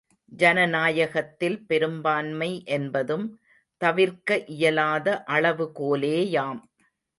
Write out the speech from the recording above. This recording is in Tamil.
ஜனநாயகத்தில் பெரும்பான்மை என்பதும் தவிர்க்க இயலாத அளவுகோலேயாம்.